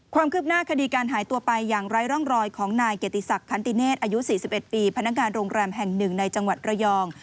ความคืบหน้าคดีการหายตัวไปอย่างไร้ร่องรอยของนายเกียรติศักดิ์คันติเนศอายุ๔๑ปีพนักงานโรงแรมแห่งหนึ่งในจังหวัดระยอง